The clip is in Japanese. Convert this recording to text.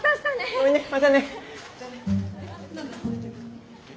ごめんねまたね。